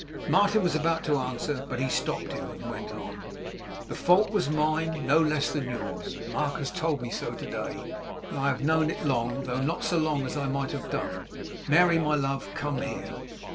Martin was about to answer, but he stopped him, and went on. 'The fault was mine no less than yours. Mark has told me so today, and I have known it long; though not so long as I might have done. Mary, my love, come here.